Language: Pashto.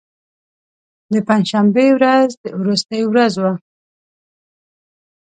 د پنج شنبې ورځ وروستۍ ورځ وه.